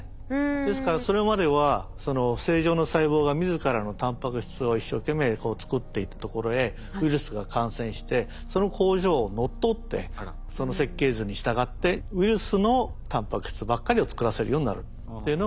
ですからそれまではその正常な細胞が自らのタンパク質を一生懸命作っていたところへウイルスが感染してその工場を乗っ取ってその設計図に従ってウイルスのタンパク質ばっかりを作らせるようになるっていうのが実際には感染なんですね。